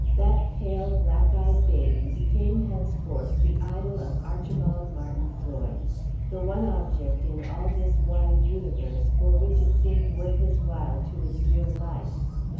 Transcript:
That pale, black eyed baby became henceforth the idol of Archibald Martin Floyd, the one object in all this wide universe for which it seemed worth his while to endure life.